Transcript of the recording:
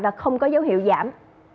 và không có dấu hiệu giảm